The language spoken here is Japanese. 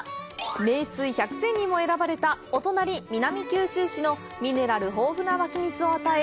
名水百選にも選ばれたお隣、南九州市のミネラル豊富な湧き水を与え